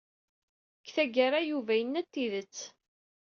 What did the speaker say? Deg tagara Yuba yenna-d tidet.